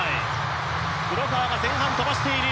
黒川が前半飛ばしている。